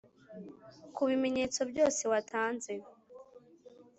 kubimenyetso byose watanze,